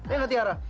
iya gak tiara